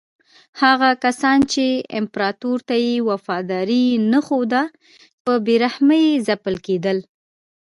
هغه کسان چې امپراتور ته یې وفاداري نه ښوده په بې رحمۍ ځپل کېدل.